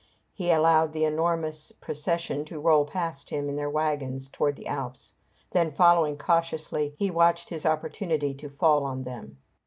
He allowed the enormous procession to roll past him in their wagons toward the Alps. Then, following cautiously, he watched his opportunity to fall on them.